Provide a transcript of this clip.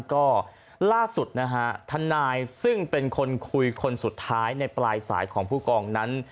ก็ล่าสุดนะฮะทนายซึ่งเป็นคนคุยคนสุดท้ายในปลายสายของผู้กองนั้น